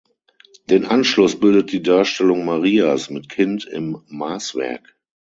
Den Abschluss bildet die Darstellung Marias mit Kind im Maßwerk.